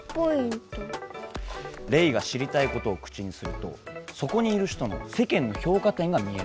レイが知りたいことを口にするとそこにいる人の「せけんのひょうか点」が見えるんだ。